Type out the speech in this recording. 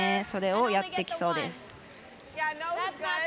それをやってきそうです。